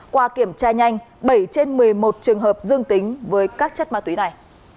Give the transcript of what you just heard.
qua kiểm tra nhanh bảy trên một mươi một trường hợp dương tính với các chất ma túy này